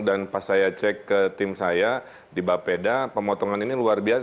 dan pas saya cek ke tim saya di bapeda pemotongan ini luar biasa